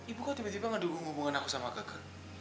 ibu kok tiba tiba ngedukung hubungan aku sama keke